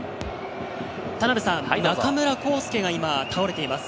中村航輔が今、倒れています。